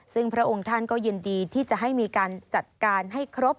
ซึ่งพระองค์ท่านก็ยินดีที่จะให้มีการจัดการให้ครบ